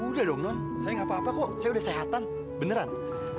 udah dong non saya gak apa apa kok saya udah sehatan beneran